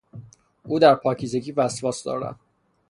او در پاکیزگی وسواس دارد.